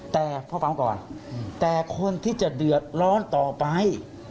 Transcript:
แต่พอฟังก่อนแต่คนที่จะเดือดร้อนต่อไป